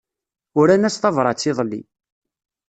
Uran-as tabrat iḍelli.